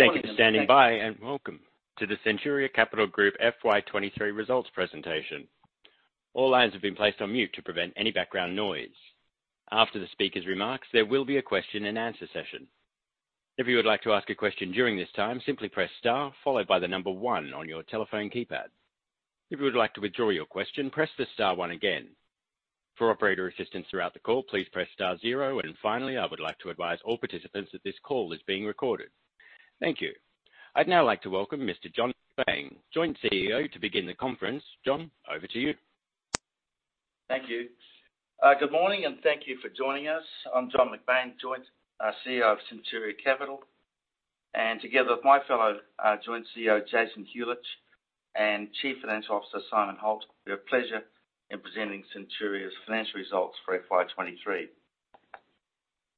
Thank you for standing by, and welcome to the Centuria Capital Group FY 2023 results presentation. All lines have been placed on mute to prevent any background noise. After the speaker's remarks, there will be a question and answer session. If you would like to ask a question during this time, simply press Star, followed by the number 1 on your telephone keypad. If you would like to withdraw your question, press the star 1 again. For operator assistance throughout the call, please press star 0, and finally, I would like to advise all participants that this call is being recorded. Thank you. I'd now like to welcome Mr. John McBain, Joint CEO, to begin the conference. John, over to you. Thank you. Good morning, and thank you for joining us. I'm John McBain, Joint CEO of Centuria Capital, and together with my fellow Joint CEO, Jason Huljich, and Chief Financial Officer, Simon Holt, we have pleasure in presenting Centuria's financial results for FY 2023.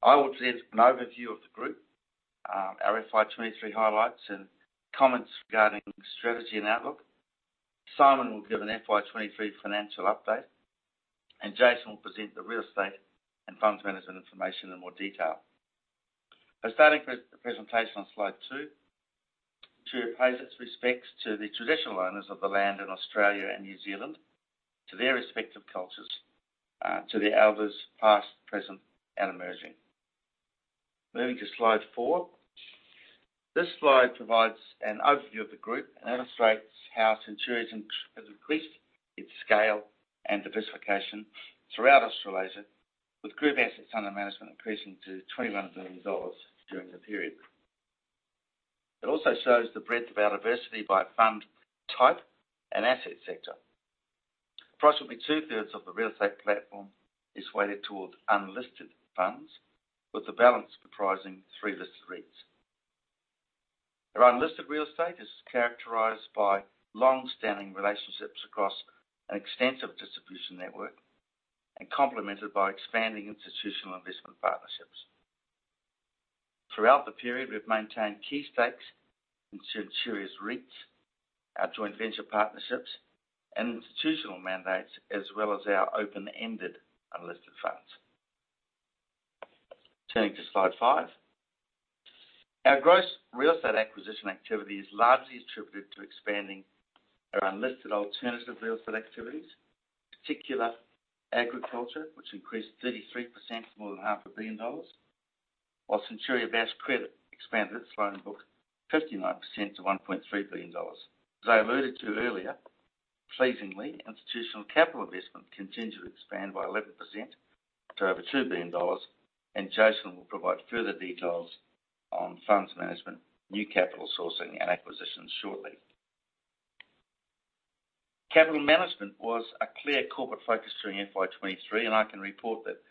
I will present an overview of the group, our FY 2023 highlights and comments regarding strategy and outlook. Simon will give an FY 2023 financial update, and Jason will present the real estate and funds management information in more detail. Starting the presentation on slide two, Centuria pays its respects to the traditional owners of the land in Australia and New Zealand, to their respective cultures, to the elders, past, present, and emerging. Moving to slide four. This slide provides an overview of the group and illustrates how Centuria has increased its scale and diversification throughout Australasia, with group assets under management increasing to 21 billion dollars during the period. It also shows the breadth of our diversity by fund, type, and asset sector. Approximately two-thirds of the real estate platform is weighted towards unlisted funds, with the balance comprising three listed REITs. Our unlisted real estate is characterized by long-standing relationships across an extensive distribution network and complemented by expanding institutional investment partnerships. Throughout the period, we've maintained key stakes in Centuria's REITs, our joint venture partnerships and institutional mandates, as well as our open-ended unlisted funds. Turning to slide five. Our gross real estate acquisition activity is largely attributed to expanding our unlisted alternative real estate activities, particular agriculture, which increased 33% to more than 500 million dollars, while Centuria Bass Credit expanded its loan book 59% to 1.3 billion dollars. As I alluded to earlier, pleasingly, institutional capital investment continued to expand by 11% to over 2 billion dollars, Jason will provide further details on funds management, new capital sourcing, and acquisitions shortly. Capital management was a clear corporate focus during FY 2023, I can report that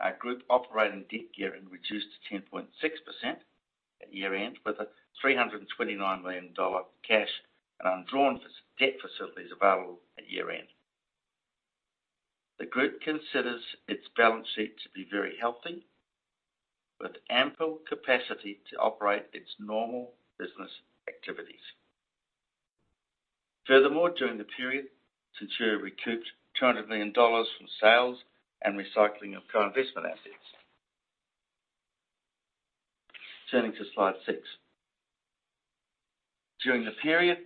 our group operating debt gearing reduced to 10.6% at year-end, with a 329 million dollar cash and undrawn debt facilities available at year-end. The group considers its balance sheet to be very healthy, with ample capacity to operate its normal business activities. Furthermore, during the period, Centuria recouped 200 million dollars from sales and recycling of co-investment assets. Turning to slide six. During the period,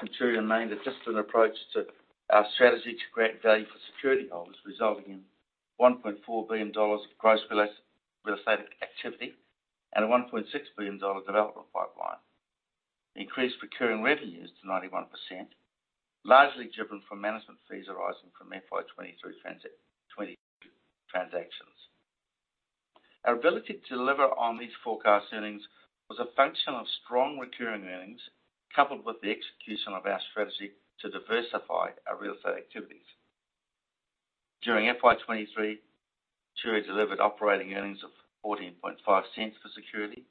Centuria maintained a disciplined approach to our strategy to create value for security holders, resulting in 1.4 billion dollars of gross real estate activity and an 1.6 billion dollar development pipeline. Increased recurring revenues to 91%, largely driven from management fees arising from FY 2022 transactions. Our ability to deliver on these forecast earnings was a function of strong recurring earnings, coupled with the execution of our strategy to diversify our real estate activities. During FY 2023, Centuria delivered operating earnings of 0.145 per security,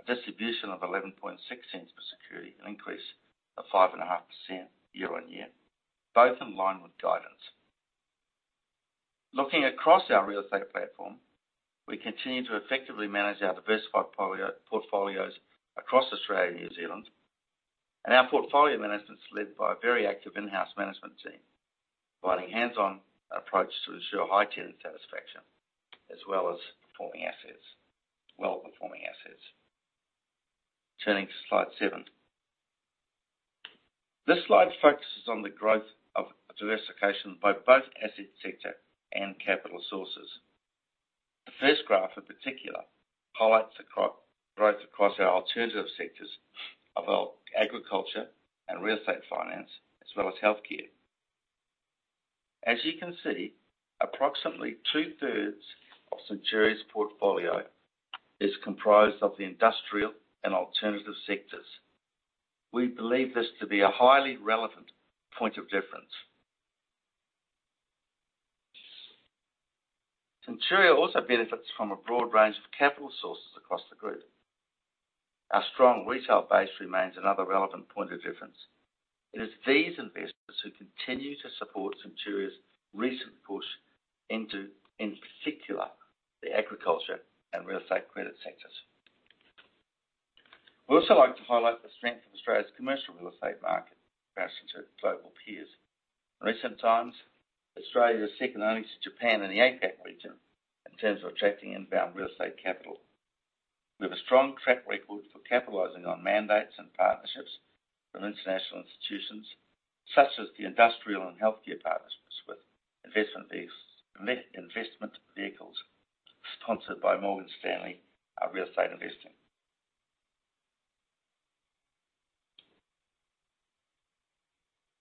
a distribution of 0.116 per security, an increase of 5.5% year-on-year, both in line with guidance. Looking across our real estate platform, we continue to effectively manage our diversified portfolios, portfolios across Australia and New Zealand. Our portfolio management is led by a very active in-house management team, providing hands-on approach to ensure high tenant satisfaction, as well as well-performing assets. Turning to slide seven. This slide focuses on the growth of diversification by both asset sector and capital sources. The first graph, in particular, highlights the growth across our alternative sectors of our agriculture and real estate finance, as well as healthcare. As you can see, approximately two-thirds of Centuria's portfolio is comprised of the industrial and alternative sectors. We believe this to be a highly relevant point of difference. Centuria also benefits from a broad range of capital sources across the group. Our strong retail base remains another relevant point of difference. It is these investors who continue to support Centuria's recent push into, in particular, the agriculture and real estate credit sectors. We also like to highlight the strength of Australia's commercial real estate market in relation to global peers. In recent times, Australia is second only to Japan in the APAC region... in terms of attracting inbound real estate capital. We have a strong track record for capitalizing on mandates and partnerships from international institutions, such as the industrial and healthcare partnerships with investment vehicles, investment vehicles sponsored by Morgan Stanley Real Estate Investing.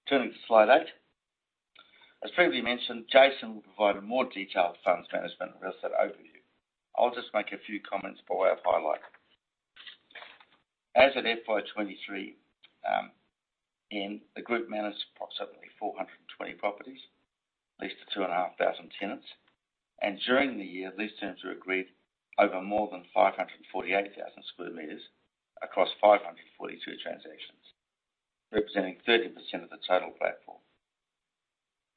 Turning to slide eigh. As previously mentioned, Jason will provide a more detailed funds management real estate overview. I'll just make a few comments by way of highlight. As of FY 2023, in the group managed approximately 420 properties, leased to 2,500 tenants. During the year, lease terms were agreed over more than 548,000 square meters across 542 transactions, representing 13% of the total platform.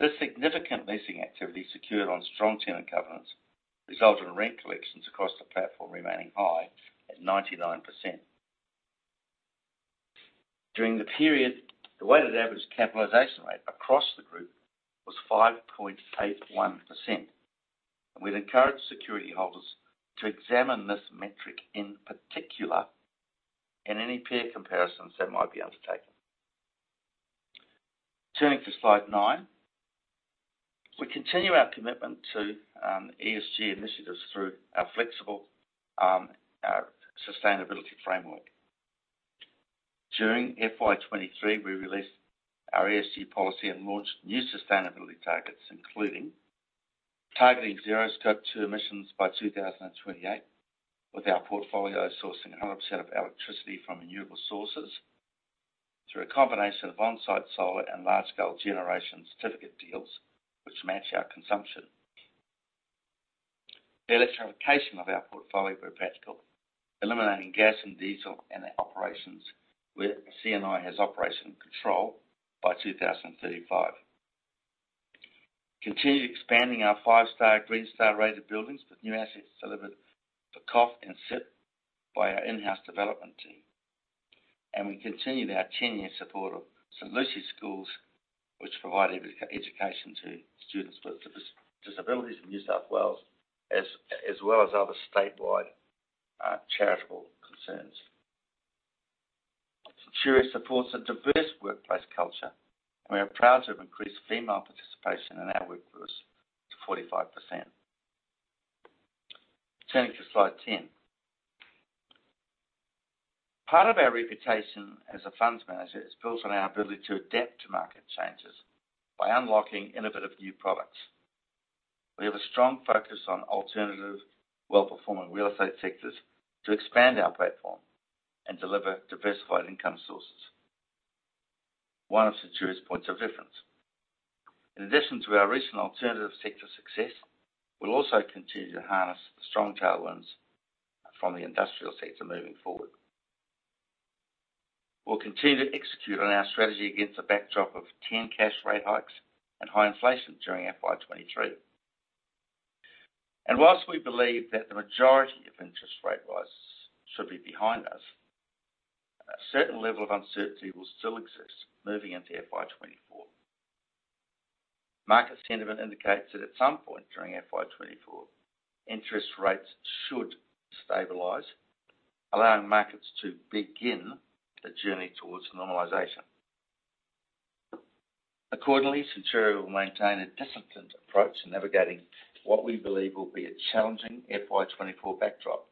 This significant leasing activity secured on strong tenant governance, resulted in rent collections across the platform remaining high at 99%. During the period, the weighted average capitalization rate across the group was 5.81%. We'd encourage security holders to examine this metric, in particular, in any peer comparisons that might be undertaken. Turning to slide nine. We continue our commitment to ESG initiatives through our flexible sustainability framework. During FY 2023, we released our ESG policy and launched new sustainability targets, including targeting zero Scope 2 emissions by 2028, with our portfolio sourcing 100% of electricity from renewable sources through a combination of on-site solar and Large-scale Generation Certificate deals which match our consumption. The electrification of our portfolio, where practical, eliminating gas and diesel in our operations, where CNI has operation control by 2035. Continued expanding our 5-star Green Star rated buildings, with new assets delivered for Coffs and Smithfield by our in-house development team. We continued our 10-year support of St Lucy's School, which provide education to students with disabilities in New South Wales, as well as other statewide, charitable concerns. Centuria supports a diverse workplace culture, and we are proud to have increased female participation in our workforce to 45%. Turning to Slide 10. Part of our reputation as a funds manager is built on our ability to adapt to market changes by unlocking innovative new products. We have a strong focus on alternative well-performing real estate sectors to expand our platform and deliver diversified income sources, one of Centuria's points of difference. In addition to our recent alternative sector success, we'll also continue to harness the strong tailwinds from the industrial sector moving forward. We'll continue to execute on our strategy against a backdrop of 10 cash rate hikes and high inflation during FY 2023. Whilst we believe that the majority of interest rate rises should be behind us, a certain level of uncertainty will still exist moving into FY 2024. Market sentiment indicates that at some point during FY 2024, interest rates should stabilize, allowing markets to begin the journey towards normalization. Accordingly, Centuria will maintain a disciplined approach in navigating what we believe will be a challenging FY 2024 backdrop.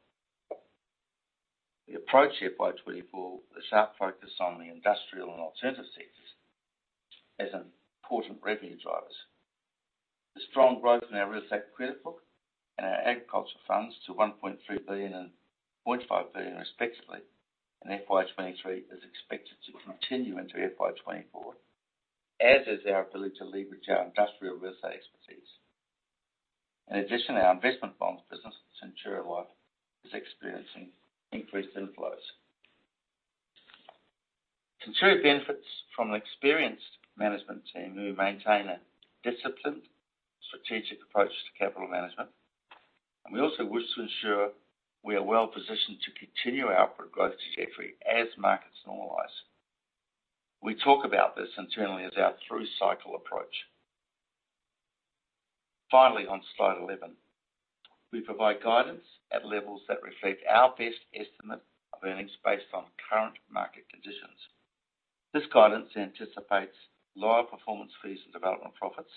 We approach FY 2024 with a sharp focus on the industrial and alternative sectors as important revenue drivers. The strong growth in our real estate credit book and our agriculture funds to 1.3 billion and 0.5 billion, respectively, in FY 2023, is expected to continue into FY 2024, as is our ability to leverage our industrial real estate expertise. In addition, our investment bonds business, Centuria Life, is experiencing increased inflows. Centuria benefits from an experienced management team who maintain a disciplined strategic approach to capital management. We also wish to ensure we are well positioned to continue our growth trajectory as markets normalize. We talk about this internally as our through-cycle approach. Finally, on Slide 11, we provide guidance at levels that reflect our best estimate of earnings based on current market conditions. This guidance anticipates lower performance fees and development profits,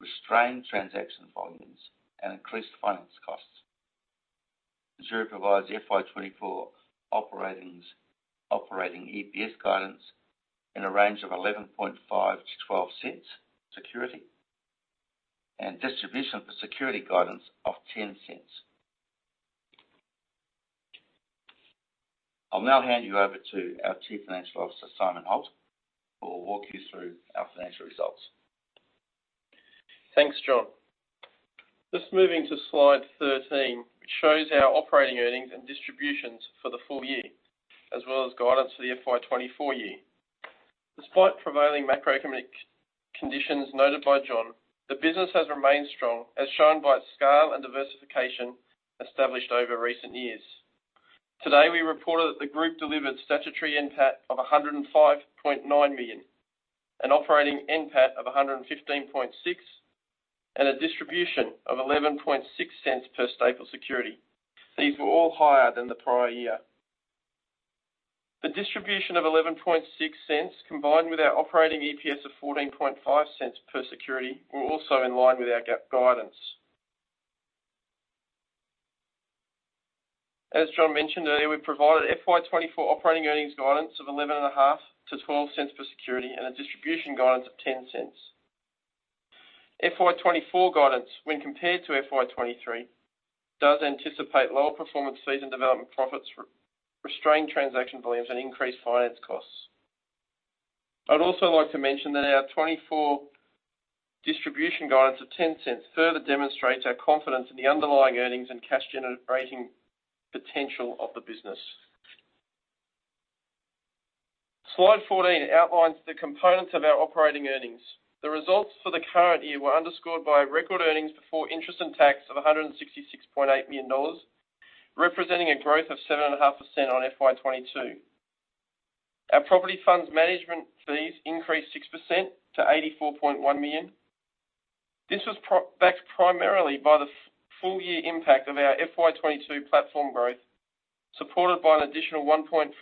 restrained transaction volumes, and increased finance costs. Centuria provides FY 2024 operating EPS guidance in a range of 0.115-0.12 security, and distribution for security guidance of 0.10. I'll now hand you over to our Chief Financial Officer, Simon Holt, who will walk you through our financial results. Thanks, John. Just moving to Slide 13, which shows our operating earnings and distributions for the full year, as well as guidance for the FY 2024 year. Despite prevailing macroeconomic conditions noted by John, the business has remained strong, as shown by its scale and diversification established over recent years. Today, we reported that the group delivered statutory NPAT of 105.9 million, an operating NPAT of 115.6 million, and a distribution of 0.116 per staple security. These were all higher than the prior year. The distribution of 0.116, combined with our operating EPS of 0.145 per security, were also in line with our Group guidance. As John mentioned earlier, we provided FY 2024 operating earnings guidance of 0.115-0.12 per security, and a distribution guidance of 0.10. FY 2024 guidance, when compared to FY 2023, does anticipate lower performance fees and development profits, re-restrained transaction volumes, and increased finance costs. I'd also like to mention that our FY 2024 distribution guidance of 0.10 further demonstrates our confidence in the underlying earnings and cash generating potential of the business. Slide 14 outlines the components of our operating earnings. The results for the current year were underscored by record earnings before interest and tax of 166.8 million dollars, representing a growth of 7.5% on FY 2022. Our property funds management fees increased 6% to 84.1 million. This was backed primarily by the full year impact of our FY 2022 platform growth, supported by an additional 1.4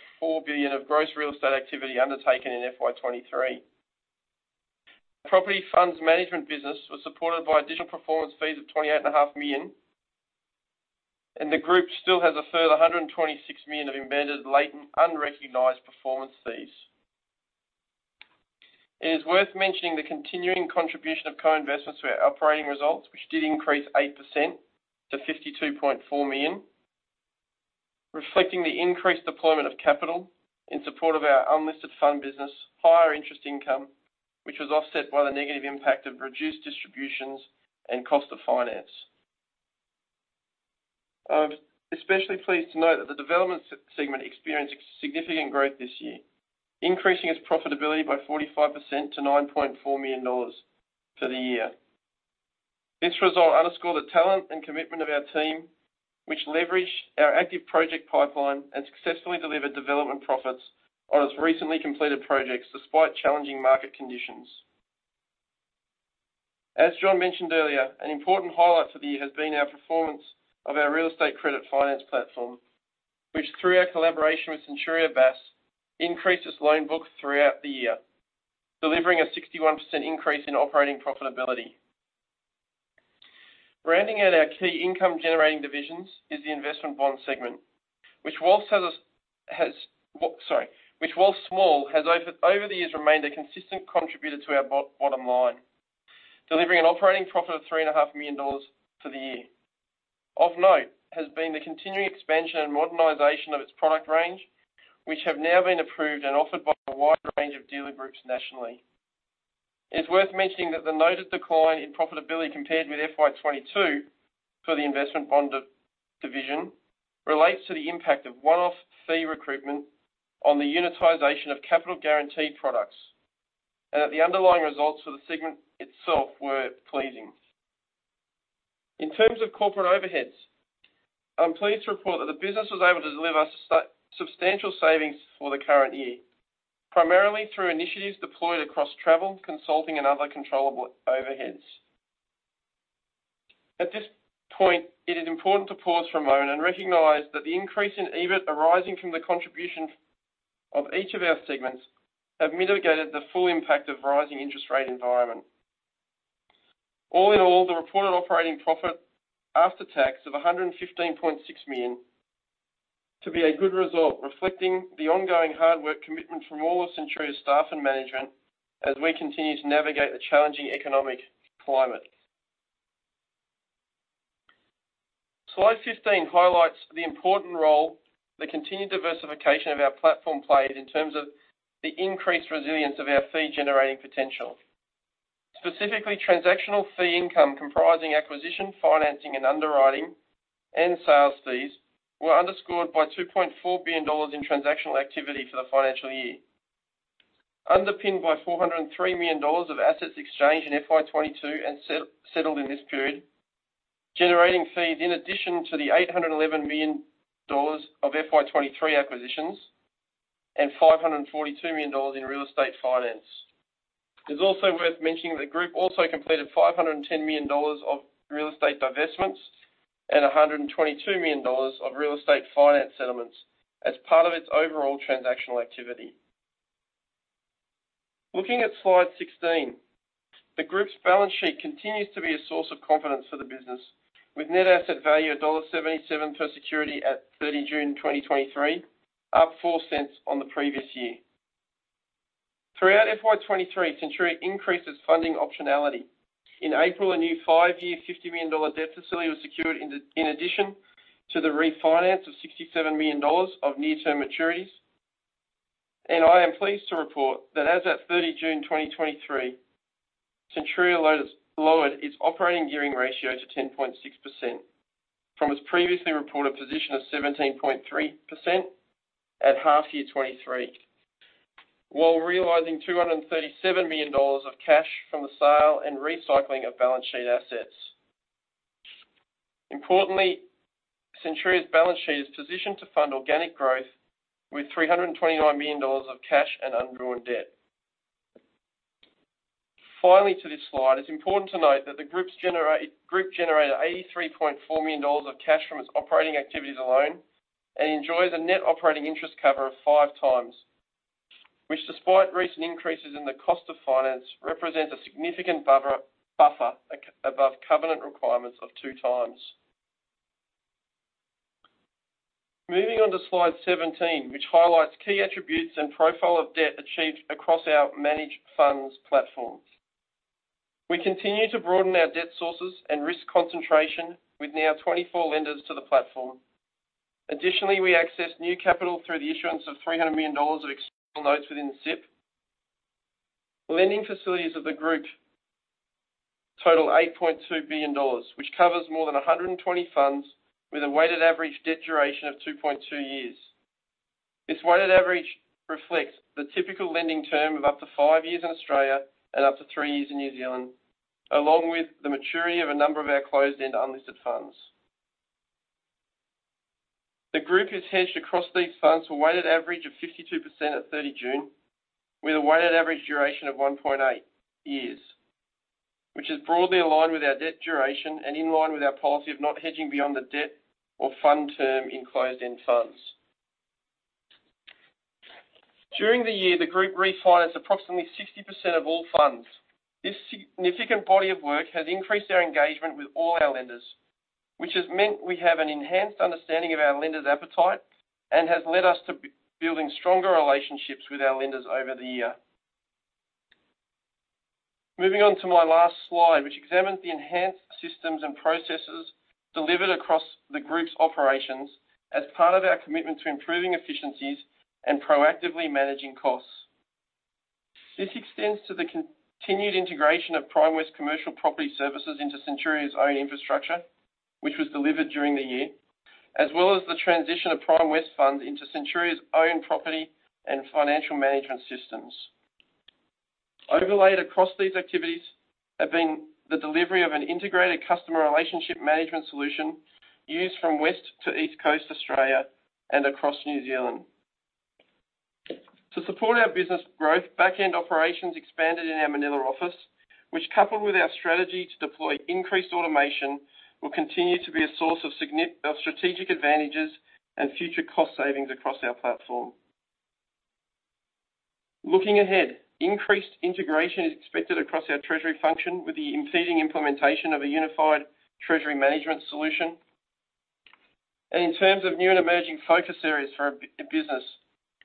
billion of gross real estate activity undertaken in FY 2023. Property funds management business was supported by additional performance fees of 28.5 million, and the group still has a further 126 million of embedded latent, unrecognized performance fees. It is worth mentioning the continuing contribution of co-investments to our operating results, which did increase 8% to 52.4 million, reflecting the increased deployment of capital in support of our unlisted fund business, higher interest income, which was offset by the negative impact of reduced distributions and cost of finance. I'm especially pleased to note that the development segment experienced significant growth this year, increasing its profitability by 45% to 9.4 million dollars for the year. This result underscored the talent and commitment of our team, which leveraged our active project pipeline and successfully delivered development profits on its recently completed projects, despite challenging market conditions. As John mentioned earlier, an important highlight for the year has been our performance of our real estate credit finance platform, which, through our collaboration with Bass Capital, increased its loan book throughout the year, delivering a 61% increase in operating profitability. Rounding out our key income-generating divisions is the investment bond segment, which, while small, has over the years, remained a consistent contributor to our bottom line, delivering an operating profit of 3.5 million dollars for the year. Of note, has been the continuing expansion and modernization of its product range, which have now been approved and offered by a wide range of dealer groups nationally. It's worth mentioning that the noted decline in profitability compared with FY 2022 for the investment bond division, relates to the impact of one-off fee recoupment on the unitization of capital guaranteed products, and that the underlying results for the segment itself were pleasing. In terms of corporate overheads, I'm pleased to report that the business was able to deliver substantial savings for the current year, primarily through initiatives deployed across travel, consulting and other controllable overheads. At this point, it is important to pause for a moment and recognize that the increase in EBIT arising from the contribution of each of our segments, have mitigated the full impact of rising interest rate environment. All in all, the reported operating profit after tax of 115.6 million, to be a good result, reflecting the ongoing hard work commitment from all of Centuria's staff and management, as we continue to navigate the challenging economic climate. Slide 15 highlights the important role the continued diversification of our platform played in terms of the increased resilience of our fee-generating potential. Specifically, transactional fee income, comprising acquisition, financing, and underwriting, and sales fees, were underscored by 2.4 billion dollars in transactional activity for the financial year. Underpinned by 403 million dollars of assets exchanged in FY 2022 and settled in this period, generating fees in addition to the 811 million dollars of FY 2023 acquisitions, and 542 million dollars in real estate finance. It's also worth mentioning that the group also completed 510 million dollars of real estate divestments, and 122 million dollars of real estate finance settlements as part of its overall transactional activity. Looking at Slide 16, the group's balance sheet continues to be a source of confidence for the business, with net asset value of dollar 1.77 per security at June 30th, 2023, up 0.04 on the previous year. Throughout FY 2023, Centuria increased its funding optionality. In April, a new five-year, AUD 50 million debt facility was secured in addition to the refinance of 67 million dollars of near-term maturities. I am pleased to report that as at June 30th, 2023, Centuria lowered its operating gearing ratio to 10.6%, from its previously reported position of 17.3% at half year 2023. while realizing 237 million dollars of cash from the sale and recycling of balance sheet assets. Importantly, Centuria's balance sheet is positioned to fund organic growth with 329 million dollars of cash and undrawn debt. Finally, to this slide, it's important to note that the group generated 83.4 million dollars of cash from its operating activities alone, and enjoys a net operating interest cover of 5x, which despite recent increases in the cost of finance, represents a significant buffer above covenant requirements of 2x. Moving on to Slide 17, which highlights key attributes and profile of debt achieved across our managed funds platforms. We continue to broaden our debt sources and risk concentration with now 24 lenders to the platform. Additionally, we access new capital through the issuance of 300 million dollars of external notes within CIP. Lending facilities of the group total 8.2 billion dollars, which covers more than 120 funds, with a weighted average debt duration of 2.2 years. This weighted average reflects the typical lending term of up to five years in Australia and up to three years in New Zealand, along with the maturity of a number of our closed-end unlisted funds. The group is hedged across these funds for a weighted average of 52% at 30th June, with a weighted average duration of 1.8 years, which is broadly aligned with our debt duration and in line with our policy of not hedging beyond the debt or fund term in closed-end funds. During the year, the group refinanced approximately 60% of all funds. This significant body of work has increased our engagement with all our lenders, which has meant we have an enhanced understanding of our lenders' appetite and has led us to building stronger relationships with our lenders over the year. Moving on to my last slide, which examines the enhanced systems and processes delivered across the group's operations as part of our commitment to improving efficiencies and proactively managing costs. This extends to the continued integration of Primewest Commercial Property Services into Centuria's own infrastructure, which was delivered during the year, as well as the transition of Primewest Fund into Centuria's own property and financial management systems. Overlaid across these activities have been the delivery of an integrated customer relationship management solution used from west to east coast Australia and across New Zealand. To support our business growth, back-end operations expanded in our Manila office, which, coupled with our strategy to deploy increased automation, will continue to be a source of strategic advantages and future cost savings across our platform. Looking ahead, increased integration is expected across our treasury function with the impending implementation of a unified treasury management solution. In terms of new and emerging focus areas for a business,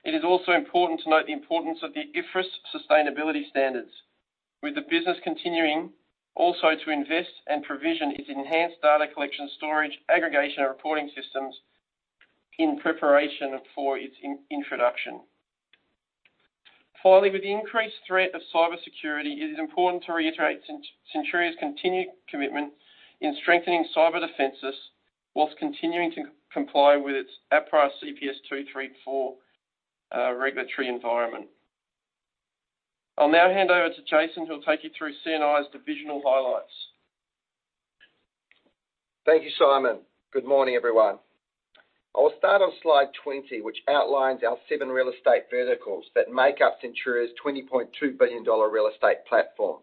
it is also important to note the importance of the IFRS sustainability standards, with the business continuing also to invest and provision its enhanced data collection, storage, aggregation, and reporting systems in preparation for its introduction. Finally, with the increased threat of cybersecurity, it is important to reiterate Centuria's continued commitment in strengthening cyber defenses whilst continuing to comply with its APRA CPS 234 regulatory environment. I'll now hand over to Jason, who will take you through CNI's divisional highlights. Thank you, Simon. Good morning, everyone. I will start on Slide 20, which outlines our 7 real estate verticals that make up Centuria's 20.2 billion dollar real estate platform.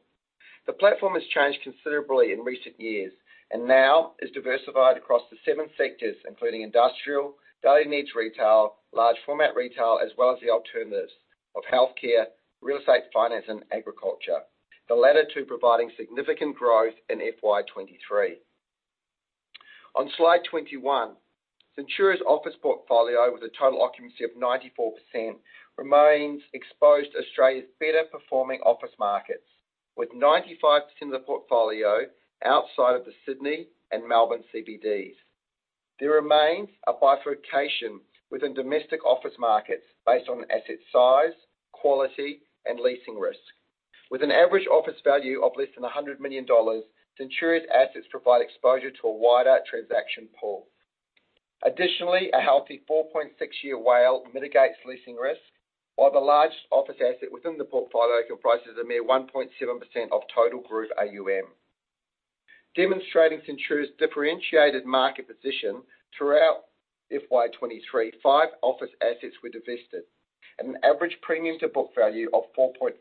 The platform has changed considerably in recent years and now is diversified across the seven sectors, including industrial, daily needs retail, large format retail, as well as the alternatives of healthcare, real estate, finance and agriculture. The latter two providing significant growth in FY 2023. On Slide 21, Centuria's office portfolio, with a total occupancy of 94%, remains exposed to Australia's better-performing office markets, with 95% of the portfolio outside of the Sydney and Melbourne CBDs. There remains a bifurcation within domestic office markets based on asset size, quality, and leasing risk. With an average office value of less than 100 million dollars, Centuria's assets provide exposure to a wider transaction pool. Additionally, a healthy 4.6 year WALE mitigates leasing risk, while the largest office asset within the portfolio comprises a mere 1.7% of total group AUM. Demonstrating Centuria's differentiated market position throughout FY 2023, five office assets were divested at an average premium to book value of 4.5%,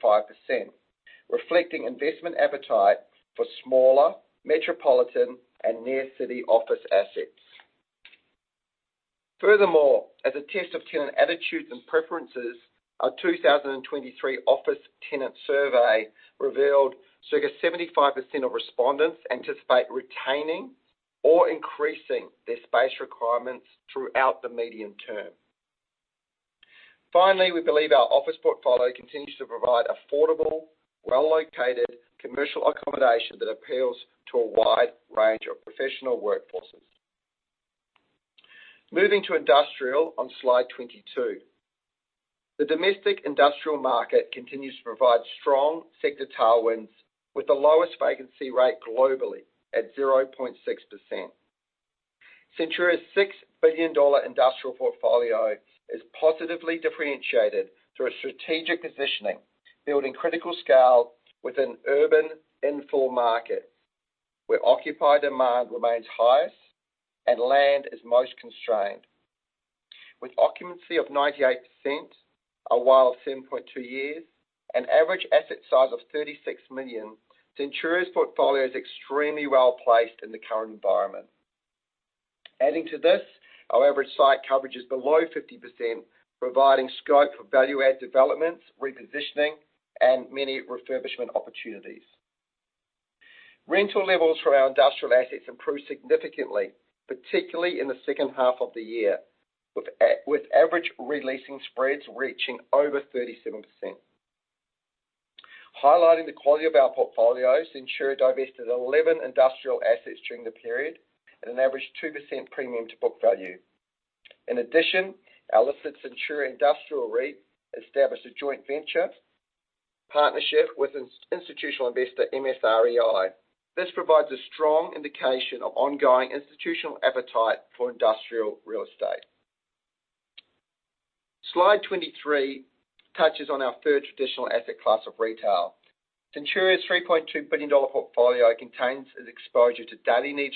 reflecting investment appetite for smaller metropolitan and near city office assets. Furthermore, as a test of tenant attitudes and preferences, our 2023 office tenant survey revealed circa 75% of respondents anticipate retaining or increasing their space requirements throughout the medium term. Finally, we believe our office portfolio continues to provide affordable, well-located commercial accommodation that appeals to a wide range of professional workforces. Moving to industrial on Slide 22. The domestic industrial market continues to provide strong sector tailwinds, with the lowest vacancy rate globally at 0.6%. Centuria's 6 billion dollar industrial portfolio is positively differentiated through a strategic positioning, building critical scale within urban in-fill markets, where occupied demand remains highest and land is most constrained. With occupancy of 98%, a WALE of 10.2 years, an average asset size of 36 million, Centuria's portfolio is extremely well-placed in the current environment. Our average site coverage is below 50%, providing scope for value-add developments, repositioning, and many refurbishment opportunities. Rental levels for our industrial assets improved significantly, particularly in the second half of the year, with average re-leasing spreads reaching over 37%. Highlighting the quality of our portfolios, Centuria divested 11 industrial assets during the period at an average 2% premium to book value. Our listed Centuria Industrial REIT established a joint venture partnership with institutional investor MSREI. This provides a strong indication of ongoing institutional appetite for industrial real estate. Slide 23 touches on our third traditional asset class of retail. Centuria's 3.2 billion dollar portfolio contains its exposure to daily needs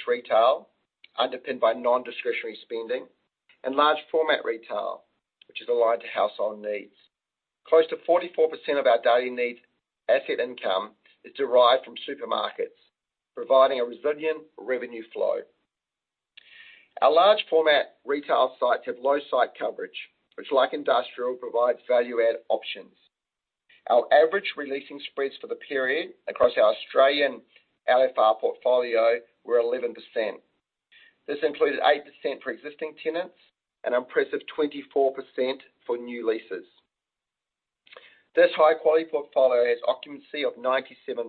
retail, underpinned by non-discretionary spending and large format retail, which is aligned to household needs. Close to 44% of our daily needs asset income is derived from supermarkets, providing a resilient revenue flow. Our large format retail sites have low site coverage, which, like industrial, provides value-add options. Our average re-leasing spreads for the period across our Australian LFR portfolio were 11%. This included 8% for existing tenants and an impressive 24% for new leases. This high-quality portfolio has occupancy of 97.5%.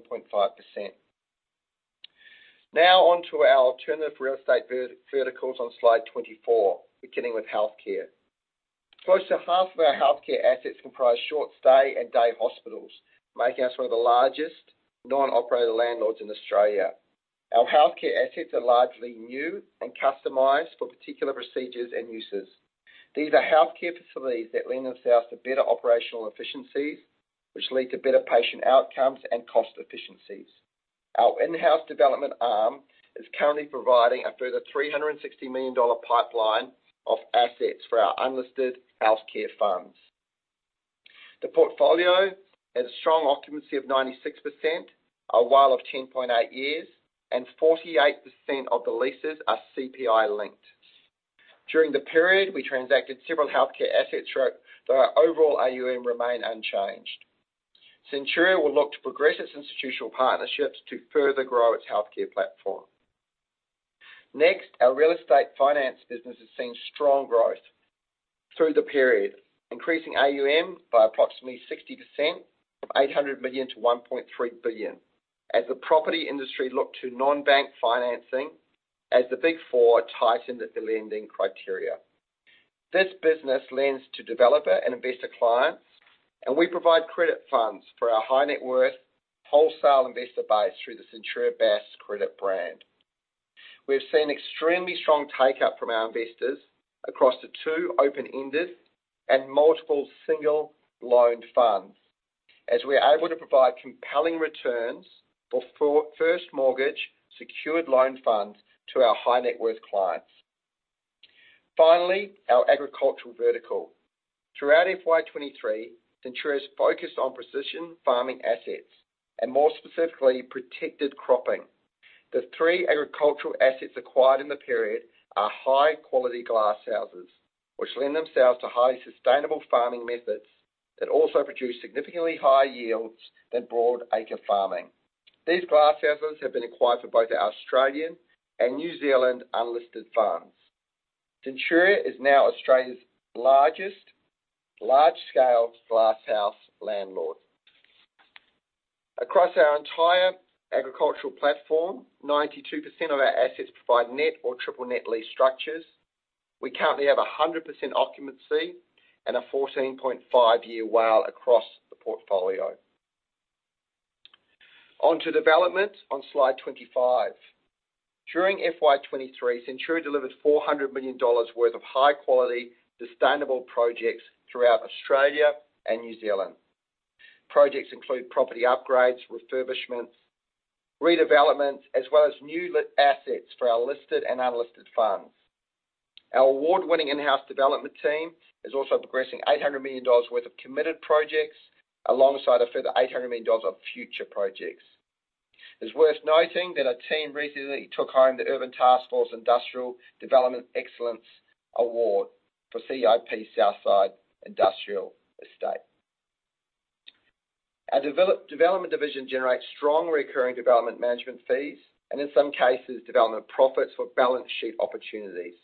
Now on to our alternative real estate verticals on Slide 24, beginning with healthcare. Close to half of our healthcare assets comprise short stay and day hospitals, making us one of the largest non-operator landlords in Australia. Our healthcare assets are largely new and customized for particular procedures and uses. These are healthcare facilities that lend themselves to better operational efficiencies, which lead to better patient outcomes and cost efficiencies. Our in-house development arm is currently providing a further 360 million dollar pipeline of assets for our unlisted healthcare funds. The portfolio has a strong occupancy of 96%, a WALE of 10.8 years, and 48% of the leases are CPI-linked. During the period, we transacted several healthcare assets throughout, though our overall AUM remained unchanged. Centuria will look to progress its institutional partnerships to further grow its healthcare platform. Next, our real estate finance business has seen strong growth through the period, increasing AUM by approximately 60% of 800 million-1.3 billion, as the property industry looked to non-bank financing as the Big Four tightened their lending criteria. This business lends to developer and investor clients, and we provide credit funds for our high net worth wholesale investor base through the Bass Capital Credit brand. We've seen extremely strong take-up from our investors across the two open-ended and multiple single loan funds, as we are able to provide compelling returns for first mortgage secured loan funds to our high net worth clients. Finally, our agricultural vertical. Throughout FY 2023, Centuria's focused on precision farming assets and, more specifically, protected cropping. The three agricultural assets acquired in the period are high-quality glasshouses, which lend themselves to highly sustainable farming methods that also produce significantly higher yields than broad acre farming. These glasshouses have been acquired for both our Australian and New Zealand unlisted farms. Centuria is now Australia's largest large-scale glasshouse landlord. Across our entire agricultural platform, 92% of our assets provide net or triple net lease structures. We currently have 100% occupancy and a 14.5 year WALE across the portfolio. On to development on Slide 25. During FY 2023, Centuria delivered 400 million dollars worth of high-quality, sustainable projects throughout Australia and New Zealand. Projects include property upgrades, refurbishments, redevelopments, as well as new assets for our listed and unlisted funds. Our award-winning in-house development team is also progressing 800 million dollars worth of committed projects, alongside a further 800 million dollars of future projects. It's worth noting that our team recently took home the Urban Taskforce Industrial Development Excellence Award for CIP Southside Industrial Estate. Our development division generates strong recurring development management fees, and in some cases, development profits for balance sheet opportunities.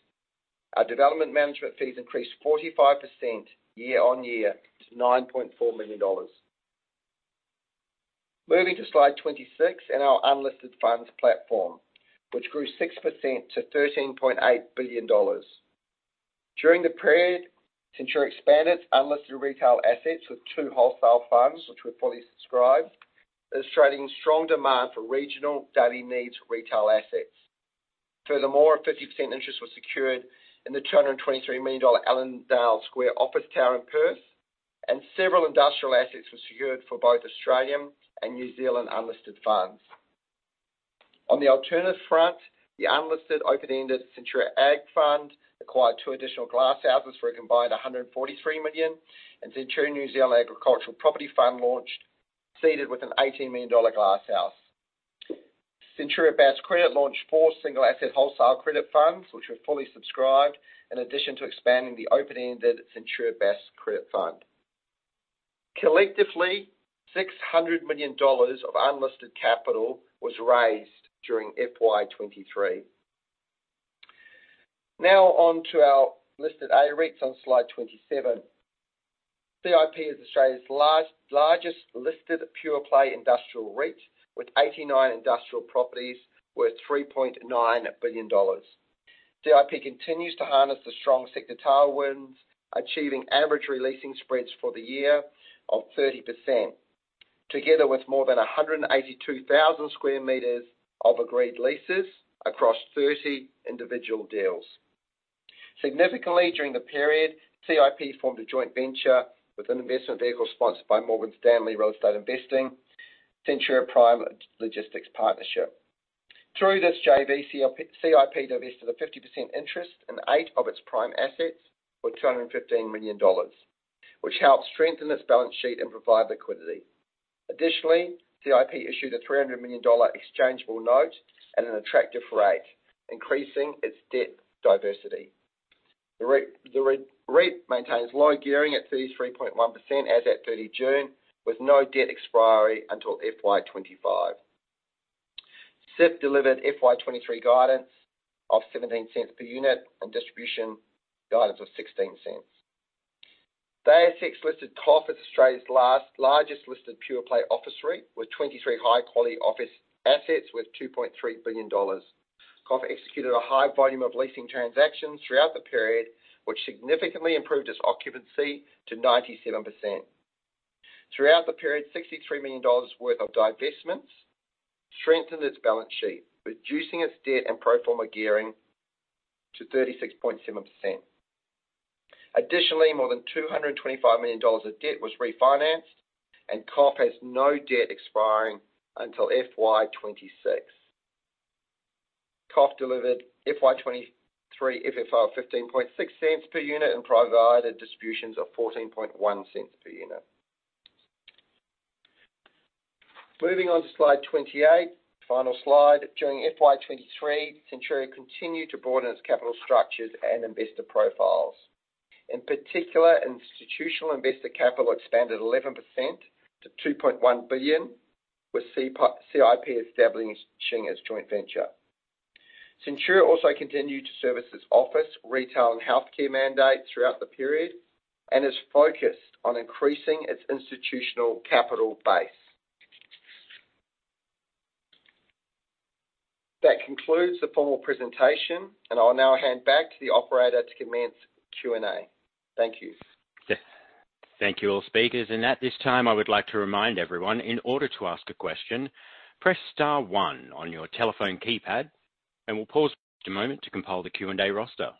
Our development management fees increased 45% year-on-year to 9.4 million dollars. Moving to Slide 26 and our unlisted funds platform, which grew 6% to 13.8 billion dollars. During the period, Centuria expanded unlisted retail assets with two wholesale funds, which were fully subscribed, illustrating strong demand for regional daily needs retail assets. A 50% interest was secured in the 223 million dollar Allendale Square office tower in Perth, and several industrial assets were secured for both Australian and New Zealand unlisted funds. On the alternative front, the unlisted open-ended Centuria Agriculture Fund acquired 2 additional glasshouses for a combined 143 million, and Centuria NZ Agricultural Property Fund launched, seeded with an 18 million dollar glasshouse. Bass Capital Credit launched 4 single-asset wholesale credit funds, which were fully subscribed, in addition to expanding the open-ended Centuria Bass Credit Fund. Collectively, 600 million dollars of unlisted capital was raised during FY 2023. On to our listed A-REITs on Slide 27. CIP is Australia's largest listed pure-play industrial REIT, with 89 industrial properties worth 3.9 billion dollars. CIP continues to harness the strong sector tailwinds, achieving average re-leasing spreads for the year of 30%, together with more than 182,000 square meters of agreed leases across 30 individual deals. Significantly, during the period, CIP formed a joint venture with an investment vehicle sponsored by Morgan Stanley Real Estate Investing, Centuria Prime Logistics Partnership. Through this JV, CIP divested a 50% interest in 8 of its prime assets for 215 million dollars, which helped strengthen its balance sheet and provide liquidity. Additionally, CIP issued an 300 million dollar exchangeable note at an attractive rate, increasing its debt diversity. The REIT maintains low gearing at 33.1% as at 30 June, with no debt expiry until FY 2025. CIP delivered FY 2023 guidance of 0.17 per unit, and distribution guidance of 0.16. The ASX-listed COF is Australia's largest listed pure-play office REIT, with 23 high-quality office assets, worth 2.3 billion dollars. COF executed a high volume of leasing transactions throughout the period, which significantly improved its occupancy to 97%. Throughout the period, 63 million dollars worth of divestments strengthened its balance sheet, reducing its debt and pro forma gearing to 36.7%. Additionally, more than 225 million dollars of debt was refinanced, and COF has no debt expiring until FY 2026. COF delivered FY 2023 FFO of 0.156 per unit, and provided distributions of 0.141 per unit. Moving on to Slide 28, final slide. During FY 2023, Centuria continued to broaden its capital structures and investor profiles. In particular, institutional investor capital expanded 11% to 2.1 billion, with CIP establishing its joint venture. Centuria also continued to service its office, retail, and healthcare mandate throughout the period, and is focused on increasing its institutional capital base. That concludes the formal presentation, and I'll now hand back to the operator to commence Q&A. Thank you. Yes. Thank you, all speakers. At this time, I would like to remind everyone, in order to ask a question, press star one on your telephone keypad, and we'll pause just a moment to compile the Q&A roster.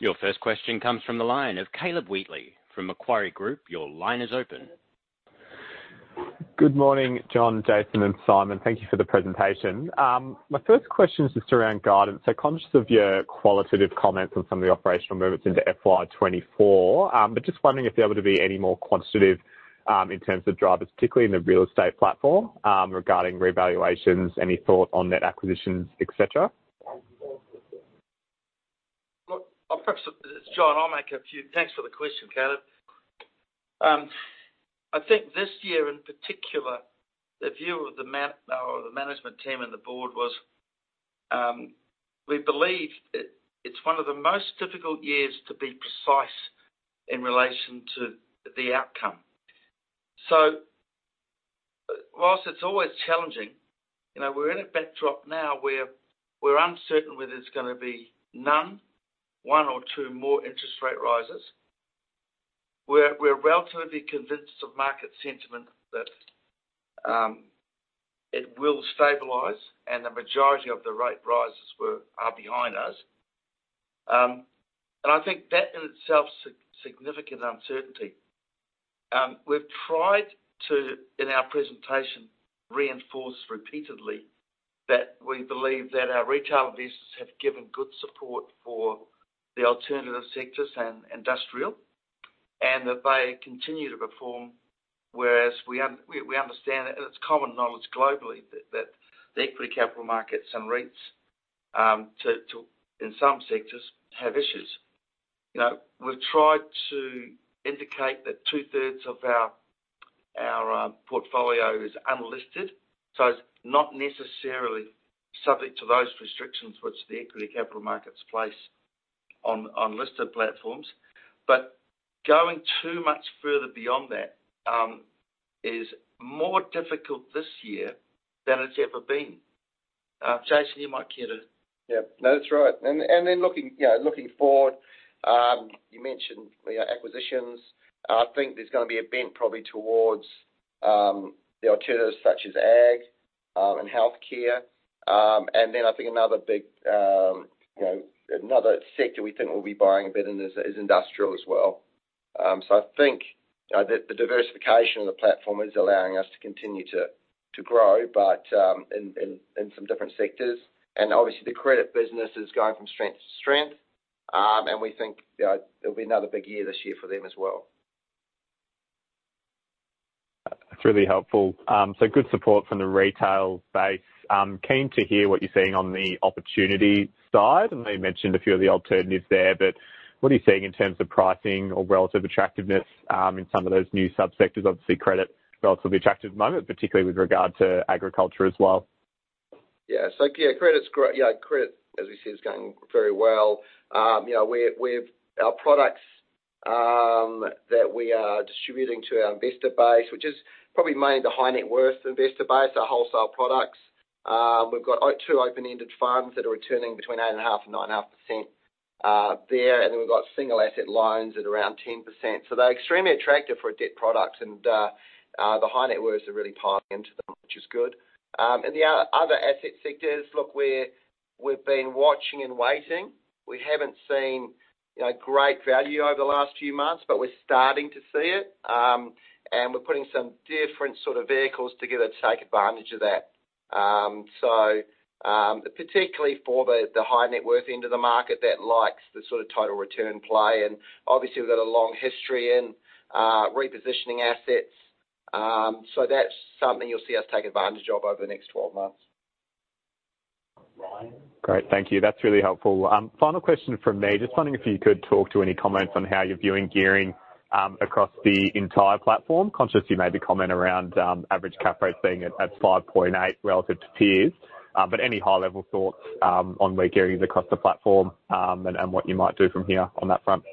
Your first question comes from the line of Caleb Wheatley from Macquarie Group. Your line is open. Good morning, John, Jason, and Simon. Thank you for the presentation. My first question is just around guidance. Conscious of your qualitative comments on some of the operational movements into FY 2024, but just wondering if there were to be any more quantitative, in terms of drivers, particularly in the real estate platform, regarding revaluations, any thought on net acquisitions, et cetera? Well, perhaps, John, I'll make a few-- Thanks for the question, Caleb. I think this year, in particular, the view of the management team and the board was, we believe it's one of the most difficult years to be precise in relation to the outcome. Whilst it's always challenging, you know, we're in a backdrop now where we're uncertain whether there's gonna be none, one or two more interest rate rises. We're relatively convinced of market sentiment that, it will stabilize, and the majority of the rate rises were, are behind us. I think that in itself is significant uncertainty. We've tried to, in our presentation, reinforce repeatedly that we believe that our retail investors have given good support for the alternative sectors and industrial, and that they continue to perform, whereas we, we understand, and it's common knowledge globally, that, that the equity capital markets and REITs, in some sectors, have issues. You know, we've tried to indicate that two-thirds of our portfolio is unlisted, so it's not necessarily subject to those restrictions which the equity capital markets place. on, on listed platforms. Going too much further beyond that, is more difficult this year than it's ever been. Jason, you might care to... Yeah. No, that's right. Then looking, yeah, looking forward, you mentioned, yeah, acquisitions. I think there's gonna be a bent probably towards the alternatives such as ag and healthcare. Then I think another big, you know, another sector we think we'll be buying a bit in is, is industrial as well. I think the, the diversification of the platform is allowing us to continue to, to grow, but in some different sectors. Obviously, the credit business is going from strength to strength. We think it'll be another big year this year for them as well. That's really helpful. Good support from the retail base. Keen to hear what you're seeing on the opportunity side, and you mentioned a few of the alternatives there, but what are you seeing in terms of pricing or relative attractiveness, in some of those new subsectors? Obviously, credit, relatively attractive at the moment, particularly with regard to agriculture as well. Yeah. Credit's great. Yeah, credit, as you said, is going very well. You know, we, our products that we are distributing to our investor base, which is probably mainly the high net worth investor base, our wholesale products. We've got two open-ended funds that are returning between 8.5% and 9.5% there, and then we've got single asset loans at around 10%. They're extremely attractive for a debt product, and the high net worth are really tied into them, which is good. The other, other asset sectors, look, we've been watching and waiting. We haven't seen, you know, great value over the last few months, but we're starting to see it. We're putting some different sort of vehicles together to take advantage of that. Particularly for the, the high net worth into the market, that likes the sort of total return play, and obviously, we've got a long history in repositioning assets. That's something you'll see us take advantage of over the next 12 months. Ryan? Great, thank you. That's really helpful. Final question from me. Just wondering if you could talk to any comments on how you're viewing gearing across the entire platform. Conscious you maybe comment around average cap rate being at, at 5.8 relative to peers, but any high-level thoughts on where gearing is across the platform, and what you might do from here on that front? Do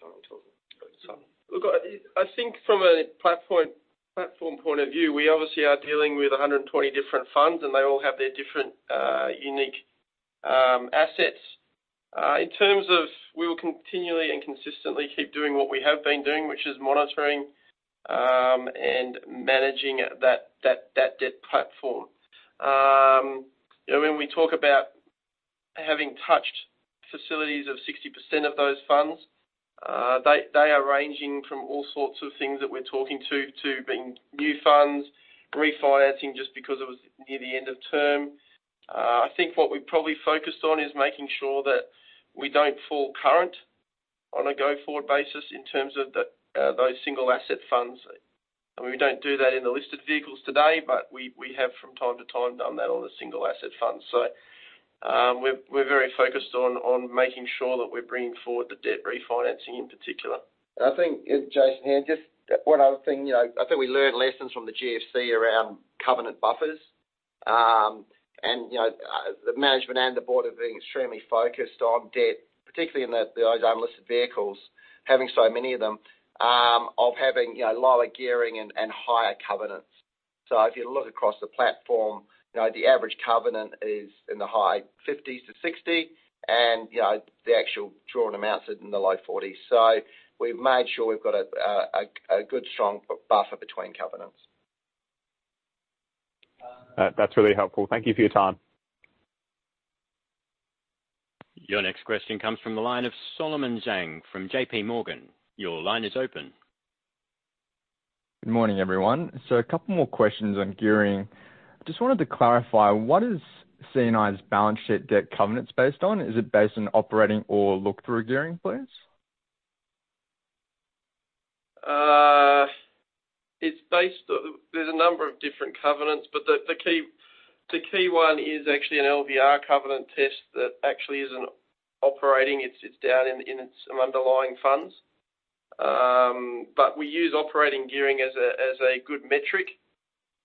you want me to talk? Look I think from a platform, platform point of view, we obviously are dealing with 120 different funds, and they all have their different, unique, assets. In terms of we will continually and consistently keep doing what we have been doing, which is monitoring, and managing that debt platform. You know, when we talk about having touched facilities of 60% of those funds, they, they are ranging from all sorts of things that we're talking to, to being new funds, refinancing just because it was near the end of term. I think what we're probably focused on is making sure that we don't fall current on a go-forward basis in terms of the, those single asset funds. We don't do that in the listed vehicles today, but we, we have from time to time, done that on the single asset funds. We're very focused on making sure that we're bringing forward the debt refinancing in particular. I think, Jason, here, just one other thing, you know, I think we learned lessons from the GFC around covenant buffers. You know, the management and the board are being extremely focused on debt, particularly in the, those unlisted vehicles, having so many of them, of having, you know, lower gearing and, and higher covenants. If you look across the platform, you know, the average covenant is in the high 50s-60s, and, you know, the actual drawn amounts is in the low 40s. We've made sure we've got a good, strong buffer between covenants. That's really helpful. Thank you for your time. Your next question comes from the line of Solomon Zhang from JP Morgan. Your line is open. Good morning, everyone. Two more questions on gearing. Just wanted to clarify, what is CNI's balance sheet debt covenants based on? Is it based on operating or look-through gearing, please? It's based on there's a number of different covenants, but the key one is actually an LVR covenant test that actually isn't operating. It's down in some underlying funds. But we use operating gearing as a good metric.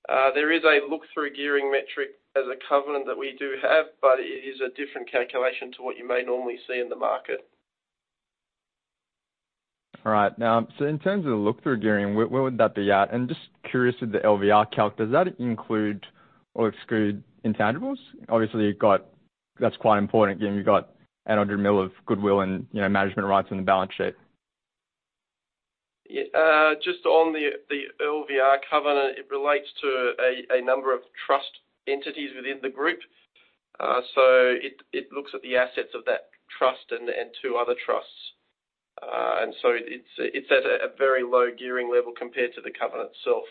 There is a look-through gearing metric as a covenant that we do have, but it is a different calculation to what you may normally see in the market. All right. Now, in terms of the look-through gearing, where, where would that be at? Just curious, with the LVR calc, does that include or exclude intangibles? Obviously, that's quite important. Again, you've got 800 million of goodwill and, you know, management rights on the balance sheet. Yeah, just on the, the LVR covenant, it relates to a, a number of trust entities within the group. It looks at the assets of that trust and two other trusts. It's a very low gearing level compared to the covenant itself.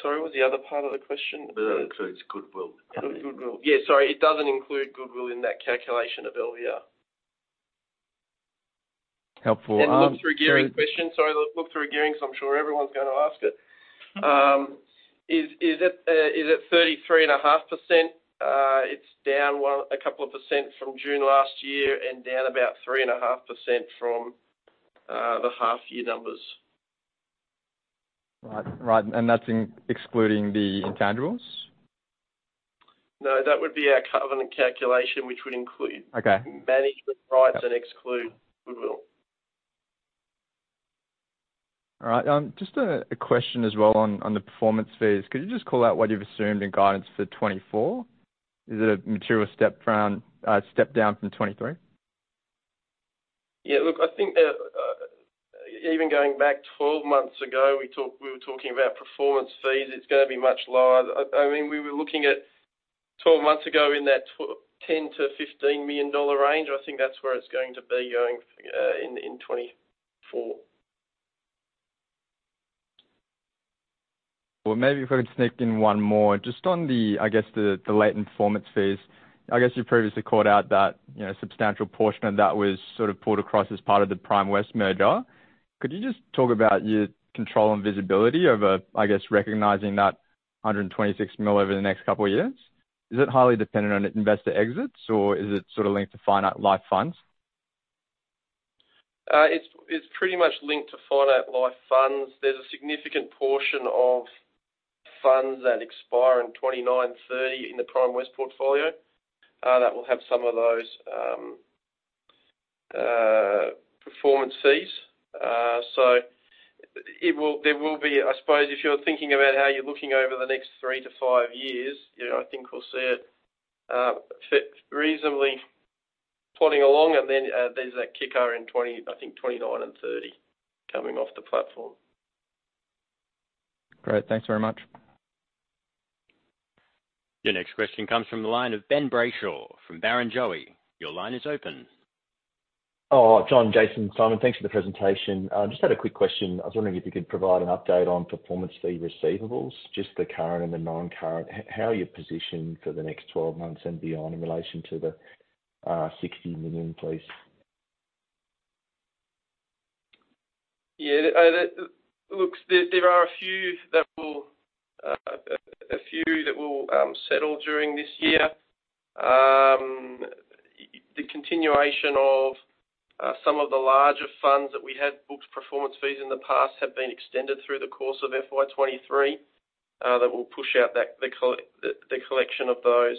Sorry, what was the other part of the question? Whether it includes goodwill. Goodwill. Yeah, sorry, it doesn't include goodwill in that calculation of LVR. Helpful. Look-through gearing question. Sorry, look-through gearing, so I'm sure everyone's going to ask it. Is it 33.5%? It's down 2% from June last year and down about 3.5% from the half-year numbers. Right, right, that's in excluding the intangibles? No, that would be our covenant calculation, which would include- Okay. Management rights exclude goodwill. All right, just a question as well on, on the performance fees. Could you just call out what you've assumed in guidance for 2024? Is it a material step down, step down from 2023? Yeah, look, I think, even going back 12 months ago, we were talking about performance fees, it's going to be much lower. I mean, we were looking at 12 months ago in that $10 million-$15 million range. I think that's where it's going to be going in 2024. Well, maybe if we could sneak in one more. Just on the, I guess, the, the latent performance fees. I guess you previously called out that, you know, a substantial portion of that was sort of pulled across as part of the Primewest merger. Could you just talk about your control and visibility over, I guess, recognizing that 126 million over the next couple of years? Is it highly dependent on investor exits, or is it sort of linked to finite life funds? It's, it's pretty much linked to finite life funds. There's a significant portion of funds that expire in 2029, 2030 in the Primewest portfolio that will have some of those performance fees. It will there will be, I suppose, if you're thinking about how you're looking over the next 3-5-years, you know, I think we'll see it fit reasonably plodding along, and then there's that kicker in 2029 and 2030 coming off the platform. Great. Thanks very much. Your next question comes from the line of Benjamin Brayshaw from Barrenjoey. Your line is open. John, Jason, Simon, thanks for the presentation. Just had a quick question. I was wondering if you could provide an update on performance fee receivables, just the current and the non-current. How are you positioned for the next 12 months and beyond in relation to the 60 million, please? Yeah, that-- look there are a few that will, a few that will settle during this year. The continuation of some of the larger funds that we had booked performance fees in the past have been extended through the course of FY 2023, that will push out that, the collection of those.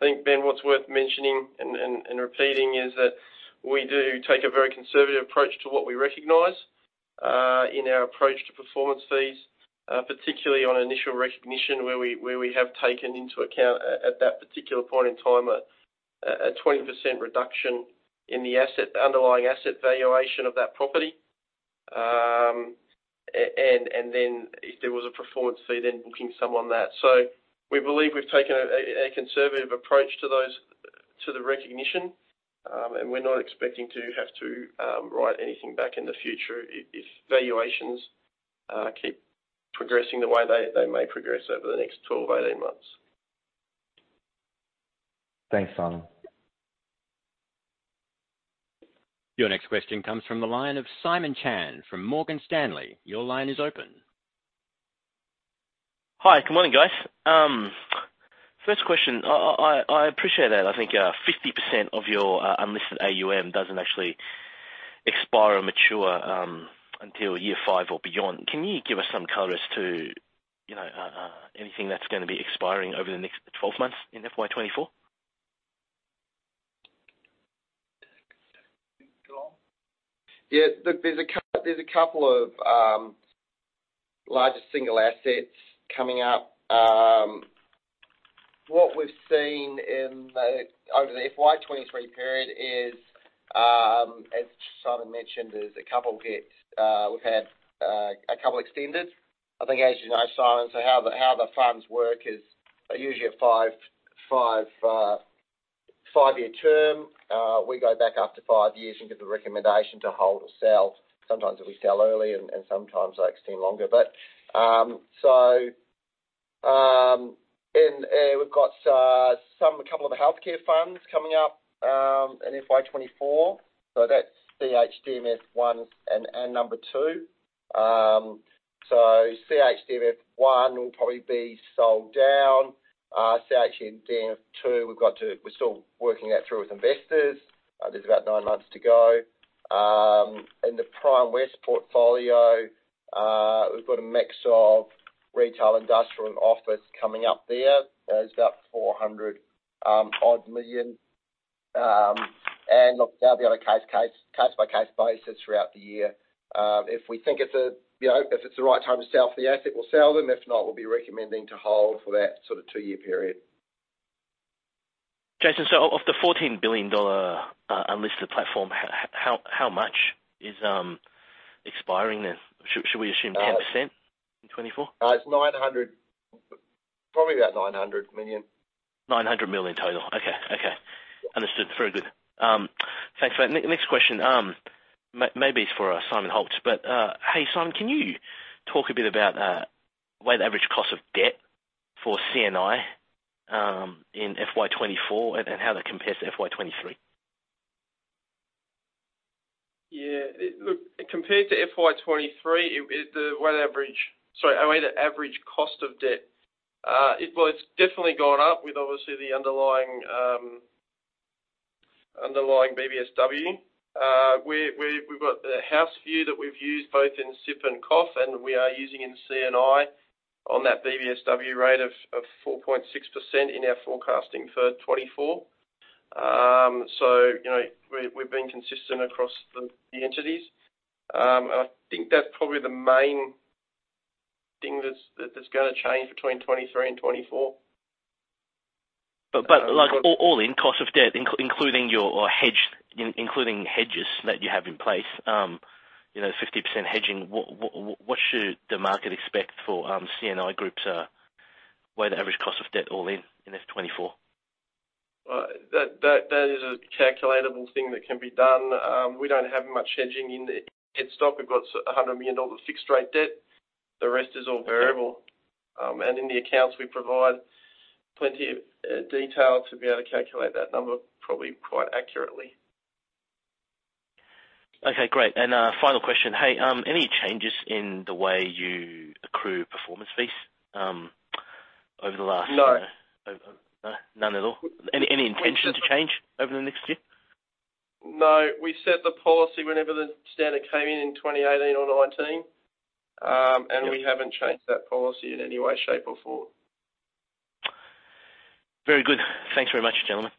I think, Ben, what's worth mentioning and, and, and repeating is that we do take a very conservative approach to what we recognize in our approach to performance fees, particularly on initial recognition, where we have taken into account at that particular point in time a 20% reduction in the asset, the underlying asset valuation of that property. If there was a performance fee, then booking some on that. We believe we've taken a conservative approach to those, to the recognition, and we're not expecting to have to write anything back in the future if valuations keep progressing the way they may progress over the next 12-18-months. Thanks, Simon. Your next question comes from the line of Simon Chan from Morgan Stanley. Your line is open. Hi, good morning, guys. First question. I appreciate that I think, 50% of your unlisted AUM doesn't actually expire or mature until year five or beyond. Can you give us some color as to, you know, anything that's going to be expiring over the next 12 months in FY 2024? Go on. Yeah, there, there's a couple of larger single assets coming up. What we've seen in the, over the FY 2023 period is, as Simon mentioned, there's a couple of bits. We've had a couple extended. I think, as you know, Simon, how the funds work is they're usually a five year term. We go back after five years and give a recommendation to hold or sell. Sometimes we sell early and sometimes they extend longer. We've got some, a couple of the healthcare funds coming up in FY 2024, so that's CHDMF 1 and number CHDMF 2. CHDMF 1 will probably be sold down. CHDMF 2, we're still working that through with investors. There's about nine months to go. In the Primewest portfolio, we've got a mix of retail, industrial, and office coming up there. There's about 400 million odd, and look, that'll be on a case-by-case basis throughout the year. If we think it's a, you know, if it's the right time to sell the asset, we'll sell them. If not, we'll be recommending to hold for that sort of two-year period. Jason, of the 14 billion dollar unlisted platform, how much is expiring then? Should we assume 10% in 2024? It's AUD 900-- probably about 900 million. 900 million in total. Okay. Okay, understood. Very good. Thanks for that. Next question, maybe it's for Simon Holt, but hey, Simon, can you talk a bit about weighted average cost of debt for CNI in FY 2024 and how that compares to FY 2023? Yeah, look, compared to FY 2023, the weighted average... Sorry, I mean, the average cost of debt. Well, it's definitely gone up with obviously the underlying underlying BBSW. We've got the house view that we've used both in SIF and COF, and we are using in CNI on that BBSW rate of 4.6% in our forecasting for 2024. You know, we've been consistent across the entities. I think that's probably the main thing that's gonna change between 2023 and 2024. Like, all, all in cost of debt, including your hedge including hedges that you have in place, you know, 50% hedging, what, what, what should the market expect for CNI Groups, weigh the average cost of debt all in, in FY 2024? That is a calculatable thing that can be done. We don't have much hedging in, in stock. We've got 100 million dollar fixed rate debt. The rest is all variable. In the accounts, we provide plenty of detail to be able to calculate that number probably quite accurately. Okay, great. Final question. Hey, any changes in the way you accrue performance fees over the last- No. None at all? Any, any intention to change over the next year? No, we set the policy whenever the standard came in in 2018 or 2019. We haven't changed that policy in any way, shape, or form. Very good. Thanks very much, gentlemen.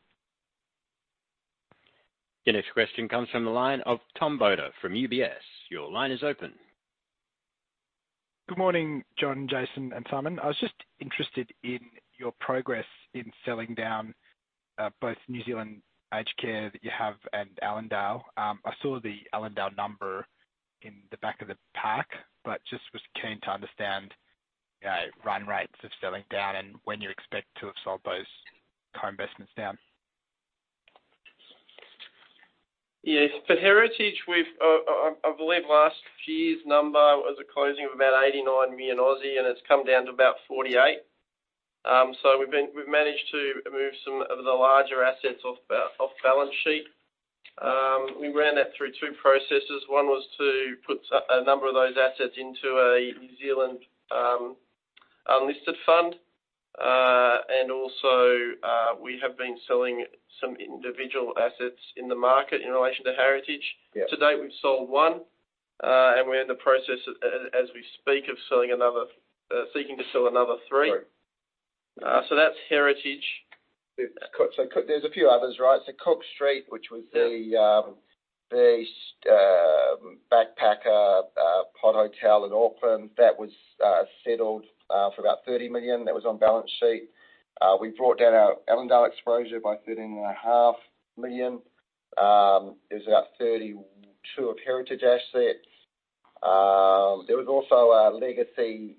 The next question comes from the line of Tom Bodor from UBS. Your line is open. Good morning, John, Jason, and Simon. I was just interested in your progress in selling down, both New Zealand aged care that you have and Allendale. I saw the Allendale number in the back of the pack, but just was keen to understand, you know, run rates of selling down and when you expect to have sold those co-investments down. Yes, for Heritage, we've, I believe last year's number was a closing of about 89 million, and it's come down to about 48 million. We've managed to move some of the larger assets off, off balance sheet. We ran that through two processes. One was to put a, a number of those assets into a New Zealand unlisted fund. Also, we have been selling some individual assets in the market in relation to Heritage. Yeah. To date, we've sold 1, and we're in the process as, as we speak, of selling, seeking to sell another 3. Sorry. That's Heritage. There's a few others, right? Cook Street, which was the backpacker pod hotel in Auckland, that was settled for about 30 million. That was on balance sheet. We brought down our Allendale Square exposure by 13.5 million. It was about 32 of Heritage Lifecare assets. There was also a legacy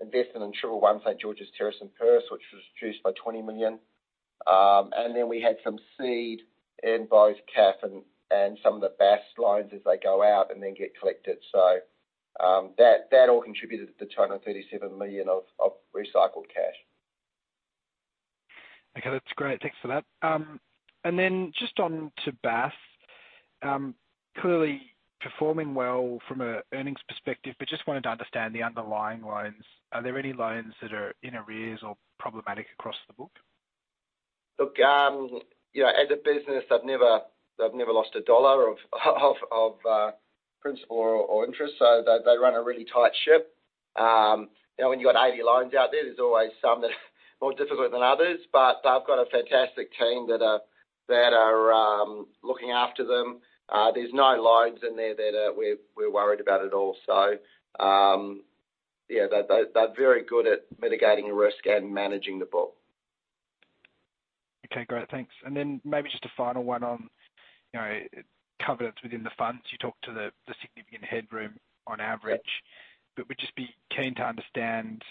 investment in 111 St Georges Terrace in Perth, which was reduced by 20 million. Then we had some seed in both CAF and some of the Bass lines as they go out and then get collected. That all contributed to 237 million of recycled cash. Okay, that's great. Thanks for that. Just on to Bass, clearly performing well from an earnings perspective, but just wanted to understand the underlying loans. Are there any loans that are in arrears or problematic across the book? Look, you know, as a business, I've never, I've never lost a dollar of principal or interest. They run a really tight ship. You know, when you've got 80 loans out there, there's always some that are more difficult than others, but I've got a fantastic team that are looking after them. There's no loans in there that we're, we're worried about at all. Yeah, they're very good at mitigating risk and managing the book. Okay, great. Thanks. Then maybe just a final one on, you know, covenants within the funds. You talked to the, the significant headroom on average, but would just be keen to understand,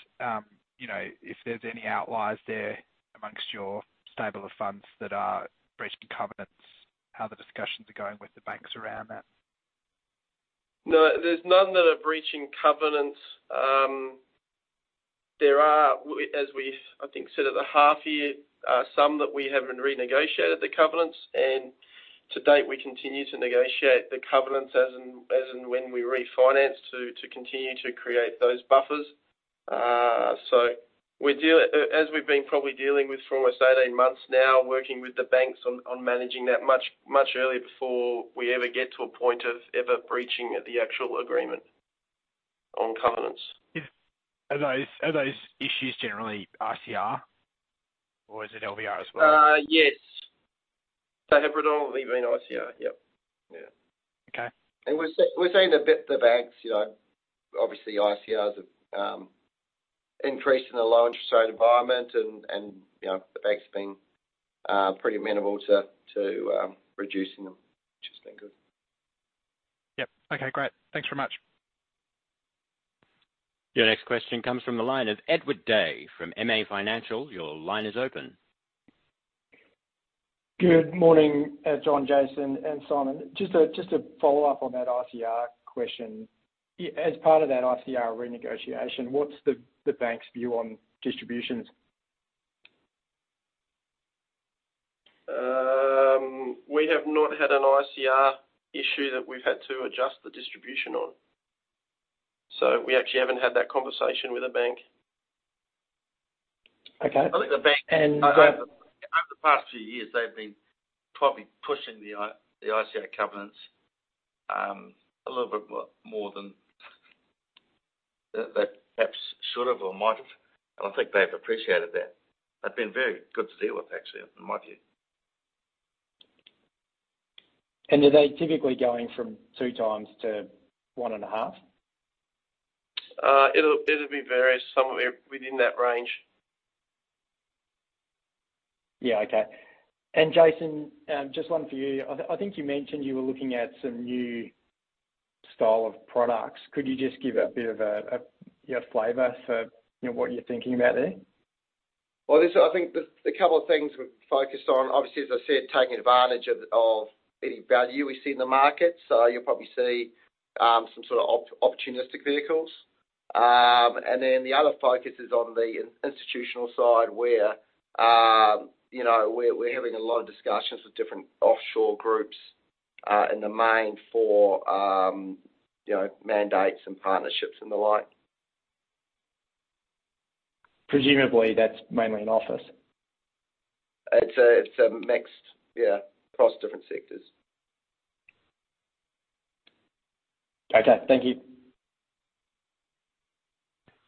you know, if there's any outliers there amongst your stable of funds that are breaching covenants, how the discussions are going with the banks around that? No, there's none that are breaching covenants. There are, as we, I think, said at the half year, some that we haven't renegotiated the covenants, to date, we continue to negotiate the covenants as and, as in when we refinance to, to continue to create those buffers. We're as we've been probably dealing with for almost 18 months now, working with the banks on, on managing that much, much earlier before we ever get to a point of ever breaching the actual agreement on covenants. Are those, are those issues generally ICR or is it LVR as well? Yes. They have been all ICR. Yep. Yeah. Okay. We're, we're seeing a bit, the banks, you know, obviously, ICRs have increased in the low interest rate environment and you know, the bank's been pretty amenable to, to, reducing them, which has been good. Yep. Okay, great. Thanks very much. Your next question comes from the line of Edward Day from MA Financial. Your line is open. Good morning, John, Jason, and Simon. Just to follow up on that ICR question. As part of that ICR renegotiation, what's the bank's view on distributions? We have not had an ICR issue that we've had to adjust the distribution on. We actually haven't had that conversation with the bank.... I think the bank, over the past few years, they've been probably pushing the ICR covenants, a little bit more, more than they, they perhaps should have or might have. I think they've appreciated that. They've been very good to deal with, actually, in my view. Are they typically going from 2 times to 1.5? It'll be various, somewhere within that range. Yeah, okay. Jason, just one for you. I think you mentioned you were looking at some new style of products. Could you just give a bit of a you know, flavor for, you know, what you're thinking about there? There's I think there's a couple of things we're focused on. Obviously, as I said, taking advantage of, of any value we see in the market. You'll probably see some sort of opportunistic vehicles. The other focus is on the institutional side, where, you know, we're, we're having a lot of discussions with different offshore groups, in the main for, you know, mandates and partnerships and the like. Presumably, that's mainly in office? It's a mixed, yeah, across different sectors. Okay, thank you.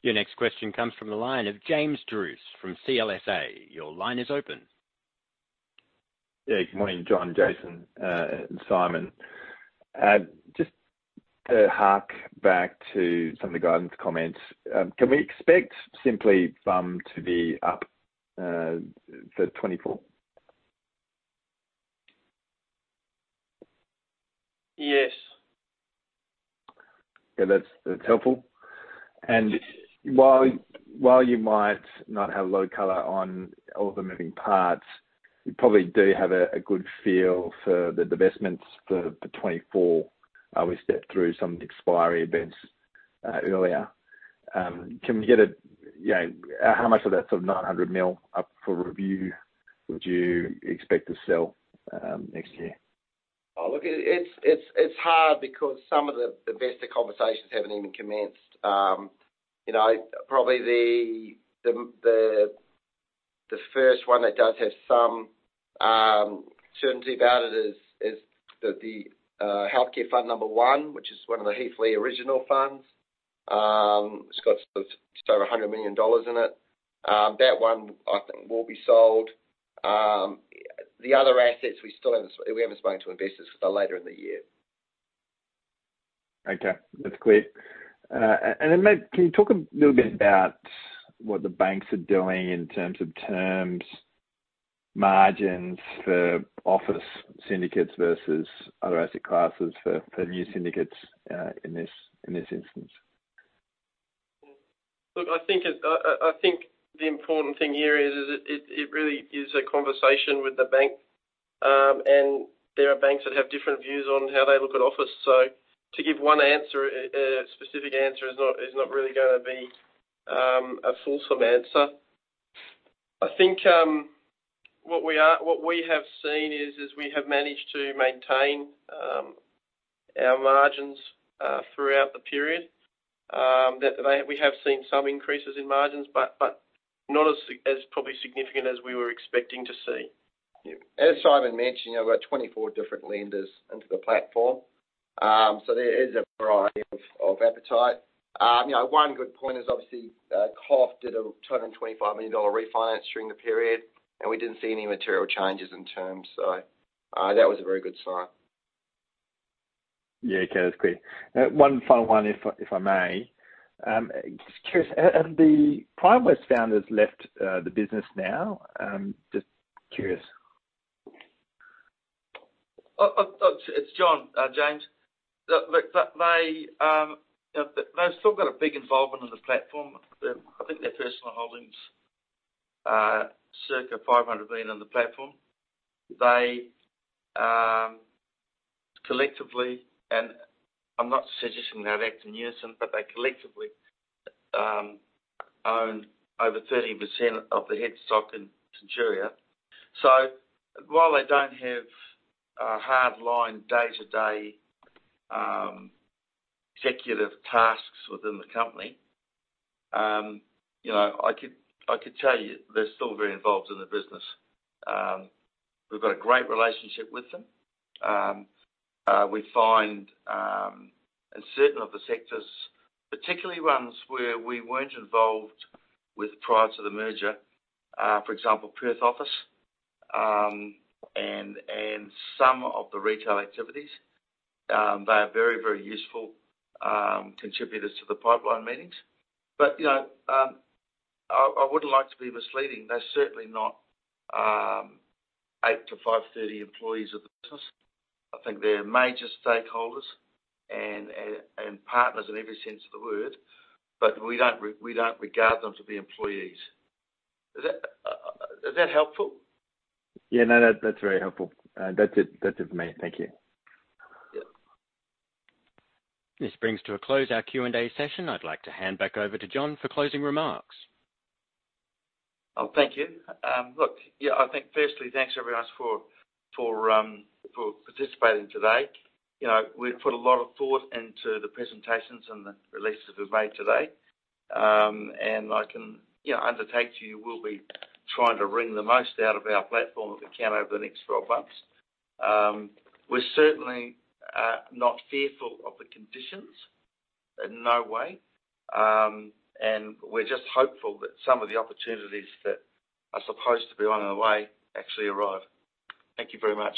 Your next question comes from the line of James Druce from CLSA. Your line is open. Yeah. Good morning, John, Jason, and Simon. Just to hark back to some of the guidance comments, can we expect simply to be up for 2024? Yes. Yeah, that's, that's helpful. While you might not have a low color on all the moving parts, you probably do have a good feel for the divestments for 2024. We stepped through some of the expiry events earlier. Can we get a, you know, how much of that sort of 900 million up for review would you expect to sell next year? Oh, look, it's, it's, it's hard because some of the, the best conversations haven't even commenced. You know, probably the, the, the, the first one that does have some certainty about it is, is the Healthcare Fund No. 1, which is one of the Heathley original funds. It's got just over 100 million dollars in it. That one, I think, will be sold. The other assets, we still haven't, we haven't spoken to investors for till later in the year. Okay, that's clear. Can you talk a little bit about what the banks are doing in terms of terms, margins for office syndicates versus other asset classes for, for new syndicates, in this, in this instance? Look, I think the important thing here is it really is a conversation with the bank. There are banks that have different views on how they look at office. To give a specific answer is not really going to be a fulsome answer. I think what we have seen is we have managed to maintain our margins throughout the period. We have seen some increases in margins, but not as probably significant as we were expecting to see. As Simon mentioned, you know, we've got 24 different lenders into the platform. There is a variety of, of appetite. You know, one good point is obviously, COF did a 225 million dollar refinance during the period, we didn't see any material changes in terms. That was a very good sign. Yeah, okay. That's great. One final one, if I may. Just curious, have the Primewest founders left the business now? Just curious. It's John, James. Look, look, they've still got a big involvement in the platform. I think their personal holdings are circa 500 million on the platform. They collectively, and I'm not suggesting they act in unison, but they collectively own over 30% of the headstock in Centuria. While they don't have a hard line, day-to-day, executive tasks within the company, you know, I could, I could tell you, they're still very involved in the business. We've got a great relationship with them. We find in certain of the sectors, particularly ones where we weren't involved with prior to the merger, for example, Perth office, and, and some of the retail activities, they are very, very useful contributors to the pipeline meetings. You know, I wouldn't like to be misleading. They're certainly not 8:00-5:30 employees of the business. I think they're major stakeholders and partners in every sense of the word, but we don't regard them to be employees. Is that helpful? Yeah, no that's very helpful. That's it for me. Thank you. Yeah. This brings to a close our Q&A session. I'd like to hand back over to John for closing remarks. Oh, thank you. look, yeah, I think firstly, thanks, everyone, for, for participating today. You know, we've put a lot of thought into the presentations and the releases we've made today. I can, you know, undertake you, we'll be trying to wring the most out of our platform, if we can, over the next 12 months. We're certainly not fearful of the conditions, in no way, and we're just hopeful that some of the opportunities that are supposed to be on the way actually arrive. Thank you very much.